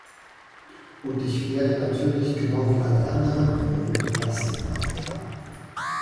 Und ich werde natürlich genau wie alle anderen eine rote Plastiknase tragen.